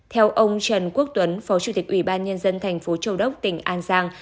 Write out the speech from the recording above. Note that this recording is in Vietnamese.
theo ông trần quốc tuấn phó chủ tịch ủy ban nhân dân tp châu đốc tỉnh an giang